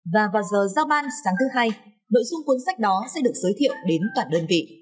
và vào giờ giao ban sáng thứ hai nội dung cuốn sách đó sẽ được giới thiệu đến toàn đơn vị